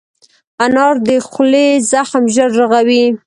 انار د خولې زخم ژر رغوي.